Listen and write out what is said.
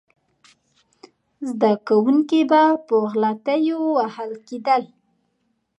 زده کوونکي به په غلطیو وهل کېدل.